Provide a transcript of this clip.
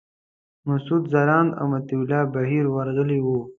مسعود ځلاند او مطیع الله بهیر ورغلي وو.